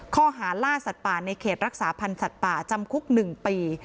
ข้อหาล่าสัตว์ป่าในเขตรักษาพันธ์สัตว์ป่าจำคุก๑ปี